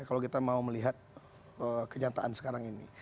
kalau kita mau melihat kenyataan sekarang ini